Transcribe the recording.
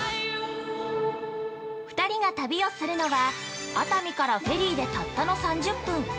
２人が旅をするのは熱海からフェリーでたったの３０分。